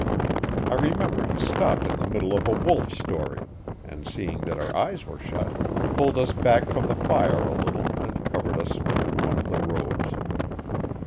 I remember he stopped in the middle of a wolf story, and, seeing that our eyes were shut, pulled us back from the fire a little and covered us with one of the robes.